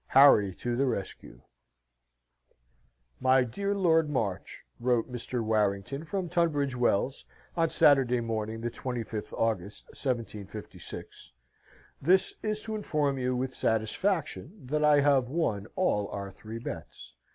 Harry to the Rescue "My dear Lord March" (wrote Mr. Warrington from Tunbridge Wells, on Saturday morning, the 25th August, 1756): "This is to inform you (with satisfaction) that I have one all our three betts.